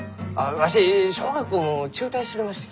わし小学校も中退しちょりましたき。